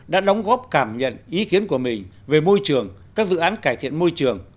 đã đóng góp cảm nhận ý kiến của mình về môi trường các dự án cải thiện môi trường